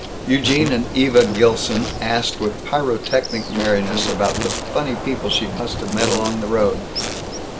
Eugene and Eva Gilson asked with pyrotechnic merriness about the "funny people she must have met along the road."